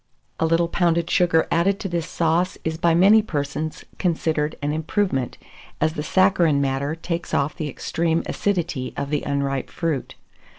A little pounded sugar added to this sauce is by many persons considered an improvement, as the saccharine matter takes off the extreme acidity of the unripe fruit.